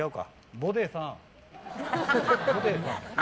ボデーさん。